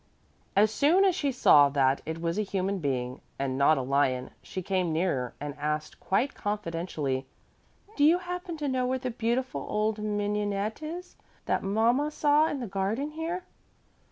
As soon as she saw that it was a human being and not a lion, she came nearer and asked quite confidentially, "Do you happen to know where the beautiful old mignonette is, that mama saw in the garden here?"